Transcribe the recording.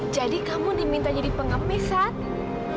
jadi kamu diminta jadi pengapesan